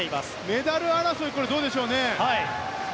メダル争いはどうでしょうね。